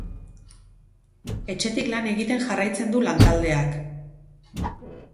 Etxetik lan egiten jarraitzen du lantaldeak.